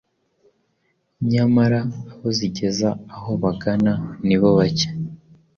Nyamara abo zigeza aho bagana nibo bacye